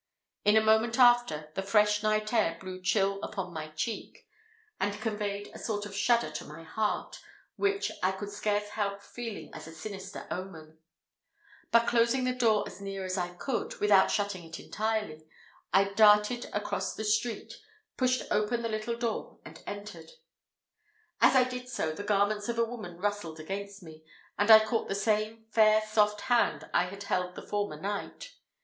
In a moment after, the fresh night air blew chill upon my cheek, and conveyed a sort of shudder to my heart, which I could scarce help feeling as a sinister omen; but, closing the door as near as I could, without shutting it entirely, I darted across the street, pushed open the little door, and entered. As I did so, the garments of a woman rustled against me, and I caught the same fair soft hand I had held the former night.